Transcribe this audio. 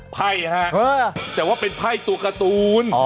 ไพ่ฮะแต่ว่าเป็นไพ่ตัวการ์ตูน